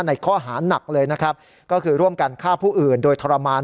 ในข้อหานักเลยนะครับก็คือร่วมกันฆ่าผู้อื่นโดยทรมาน